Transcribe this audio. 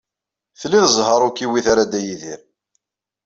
Tlid zzheṛ ur k-iwit ara Dda Yidir.